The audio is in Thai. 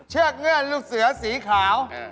เงื่อนลูกเสือสีขาว